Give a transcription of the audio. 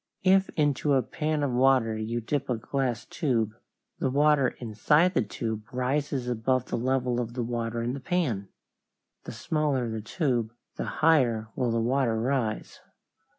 If into a pan of water you dip a glass tube, the water inside the tube rises above the level of the water in the pan. The smaller the tube the higher will the water rise.